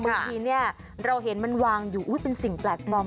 เมื่อกี้เนี่ยเราเห็นมันวางอยู่อุ้ยเป็นสิ่งแปลกบำ